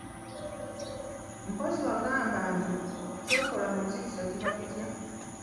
Mpozzi wagamba nti, ky'okola mu nzikiza kiba kitya?